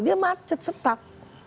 dia macet setak